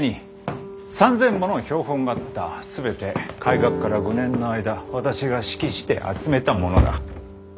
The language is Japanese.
全て開学から５年の間私が指揮して集めたものだ。